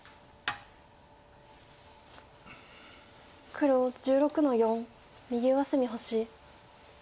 黒１６の四右上隅星。